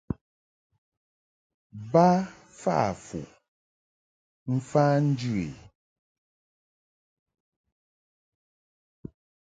Ba fa fuʼ mfa njɨ i.